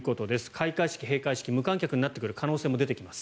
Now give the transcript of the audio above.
開会式、閉会式無観客になってくる可能性も出てきます。